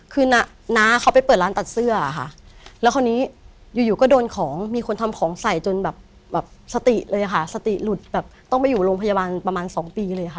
คือน้าเขาไปเปิดร้านตัดเสื้อค่ะแล้วคราวนี้อยู่อยู่ก็โดนของมีคนทำของใส่จนแบบสติเลยค่ะสติหลุดแบบต้องไปอยู่โรงพยาบาลประมาณสองปีเลยค่ะ